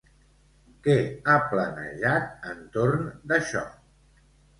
Què ha planejat entorn d'això?